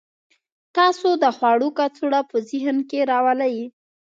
تاسو د خوړو کڅوړه په ذهن کې راولئ